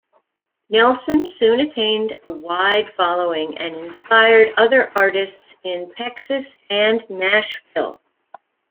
Nelson soon attained a wide following and inspired other artists in Texas and Nashville.